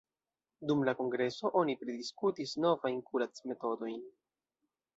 Dum la kongreso oni pridiskutis novajn kuracmetodojn.